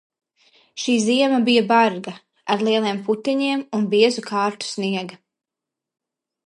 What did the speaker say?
Šī ziema bija barga, ar lieliem puteņiem un biezu kārtu sniega.